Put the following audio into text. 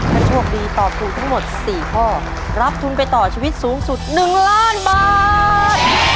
ถ้าโชคดีตอบถูกทั้งหมด๔ข้อรับทุนไปต่อชีวิตสูงสุด๑ล้านบาท